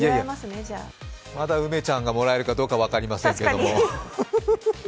まだ梅ちゃんがもらえるかどうか分かりませんけど。